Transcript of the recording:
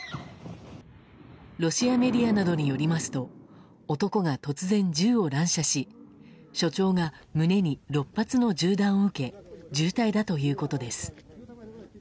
ロシアメディアなどによりますと男が突然、銃を乱射し所長が胸に６発の銃弾を受け重体だということです。